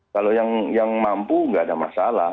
kalau yang mampu nggak ada masalah